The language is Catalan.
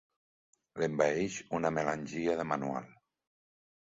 L'envaeix una melangia de manual.